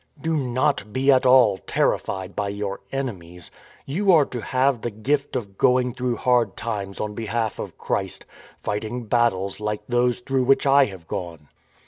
" Do not be at all terrified by your enemies. You FINDING A SON 169 are to have the gift of going through hard times on behalf of Christ, fighting battles like those through which I have gone."